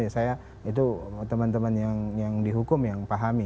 saya itu teman teman yang dihukum yang pahami